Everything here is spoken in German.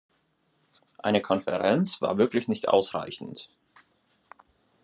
Eine Konferenz war wirklich nicht ausreichend.